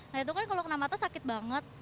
nah itu kan kalau kena mata sakit banget